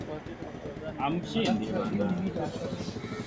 Kufura na kuathirika kwa korodani kende au pumbu moja au zote mbili